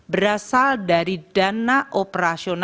berasal dari dana operasional